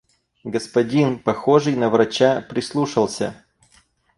Господин, похожий на врача, прислушался.